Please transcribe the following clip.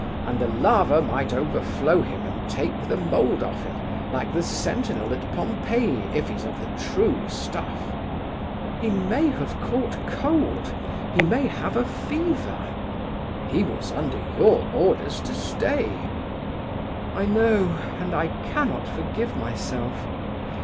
And the lava might overflow him and take the mould of him, like the sentinel at Pompeii, if he's of the true stuff." "He may have caught cold, he may have a fever." "He was under your orders to stay." "I know, and I cannot forgive myself.